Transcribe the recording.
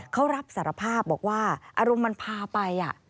เขารับสารภาพบอกว่าอารมณ์มันพาไป